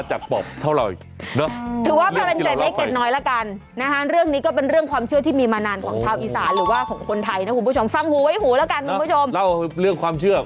หรือว่าของคนไทยนะคุณผู้ชมฟังหูไว้หูแล้วกันคุณผู้ชมเล่าเรื่องความเชื่อ